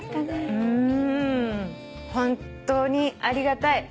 本当にありがたい。